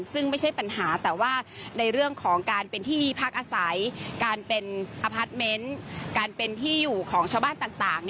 ซึ่งไม่ใช่ปัญหาแต่ว่าในเรื่องของการเป็นที่พักอาศัยการเป็นอพาร์ทเมนต์การเป็นที่อยู่ของชาวบ้านต่าง